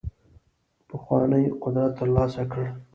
پخوانی قدرت ترلاسه کړ.